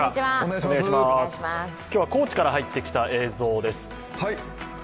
今日は高知から入ってきた映像です。